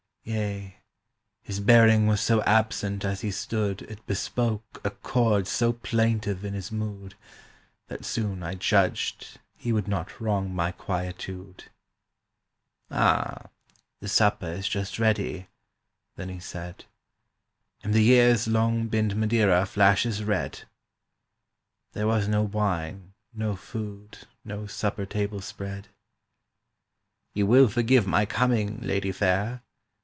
Yea, his bearing was so absent As he stood, It bespoke a chord so plaintive In his mood, That soon I judged he would not wrong my quietude. "Ah—the supper is just ready," Then he said, "And the years' long binned Madeira Flashes red!" (There was no wine, no food, no supper table spread.) "You will forgive my coming, Lady fair?